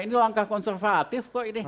ini langkah konservatif kok ini